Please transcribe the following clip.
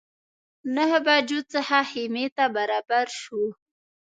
نهه بجو څخه خیمې ته برابر شوو.